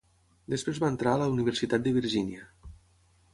Després va entrar a la Universitat de Virgínia.